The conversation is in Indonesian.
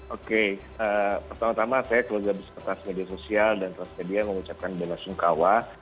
oke pertama tama saya keluarga bersama transmedia sosial dan transmedia mengucapkan benar benar sungkawa